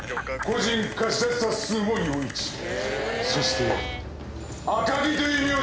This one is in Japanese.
そして。